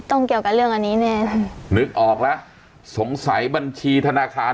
เกี่ยวกับเรื่องอันนี้แน่นึกออกแล้วสงสัยบัญชีธนาคาร